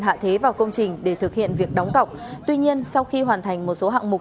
hạ thế vào công trình để thực hiện việc đóng cọc tuy nhiên sau khi hoàn thành một số hạng mục